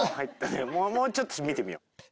もうちょっと見てみよう。